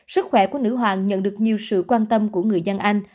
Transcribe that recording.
sức khỏe của nữ hoàng nhận được nhiều sự quan tâm của người dân anh